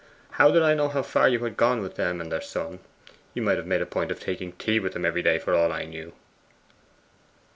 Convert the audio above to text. How did I know how far you had gone with them and their son? You might have made a point of taking tea with them every day, for all that I knew.